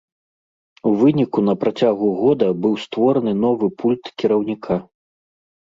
У выніку на працягу года быў створаны новы пульт кіраўніка.